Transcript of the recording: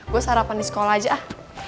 gue sarapan di sekolah aja ah